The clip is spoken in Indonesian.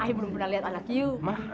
i belum pernah lihat anak you